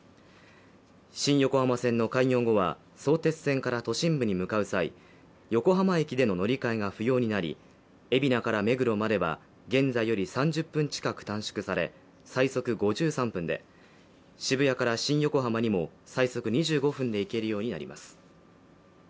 新横浜線の開業後は相鉄線から都心部に向かう際、横浜駅での乗り換えが不要になり海老名から目黒までは現在より３０分近く短縮され最速５３分で渋谷から新横浜にも最速２５分で行けるようになります。